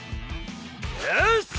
よし！